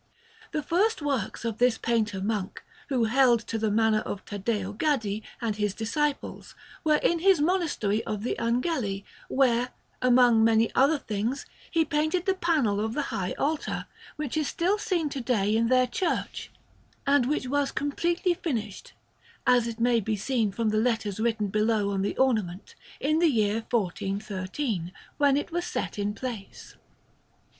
The first works of this painter monk, who held to the manner of Taddeo Gaddi and his disciples, were in his Monastery of the Angeli, where, among many other things, he painted the panel of the high altar, which is still seen to day in their church, and which was completely finished, as it may be seen from letters written below on the ornament, in the year 1413, when it was set in place.